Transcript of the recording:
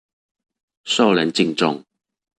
受人敬重